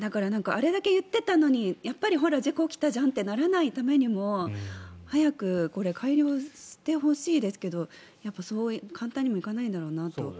あれだけ言っていたのに事故起きたじゃんってならないためにも早く改良してほしいですけどそう簡単にもいかないんだろうなと。